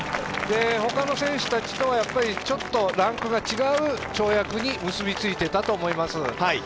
他の選手たちとはランクが違う跳躍に結びついていたと思います。